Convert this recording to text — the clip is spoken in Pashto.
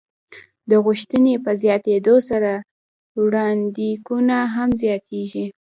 د غوښتنې په زیاتېدو سره وړاندېکونه هم زیاتېږي.